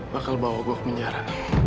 bakal bawa gue ke penjara